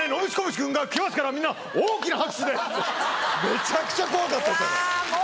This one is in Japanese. めちゃくちゃ怖かったですよあれ。